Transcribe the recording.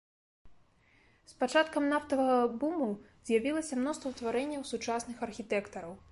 З пачаткам нафтавага буму з'явілася мноства тварэнняў сучасных архітэктараў.